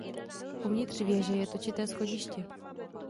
Uvnitř věže je točité schodiště.